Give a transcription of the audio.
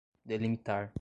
delimitar